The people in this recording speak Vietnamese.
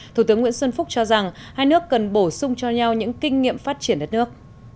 thủ tướng nguyễn xuân phúc cho rằng hai nước cần bổ sung cho nhau những kinh nghiệm phát triển đất nước